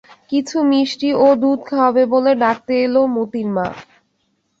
কিছু মিষ্টি ও দুধ খাওয়াবে বলে ডাকতে এল মোতির মা।